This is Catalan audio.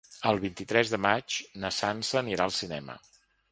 El vint-i-tres de maig na Sança anirà al cinema.